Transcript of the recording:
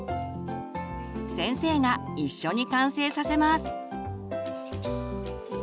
先生が一緒に完成させます。